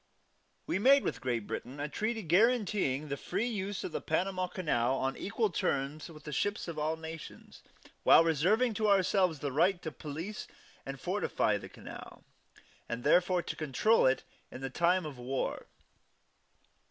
We made with Great Britain a treaty guaranteeing the free use of the Panama Canal on equal terms to the ships of all nations, while reserving to ourselves the right to police and fortify the canal, and therefore to control it in time of war.